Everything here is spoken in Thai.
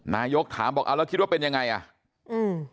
นายกถามบอกเอาแล้วคิดว่าเป็นยังไงอ่ะอืม